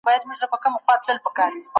زه خپل قلم اخلم.